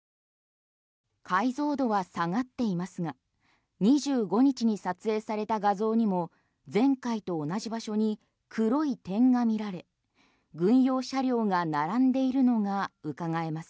解像度は下がっていますが２５日に撮影された画像にも前回と同じ場所に黒い点が見られ軍用車両が並んでいるのがうかがえます。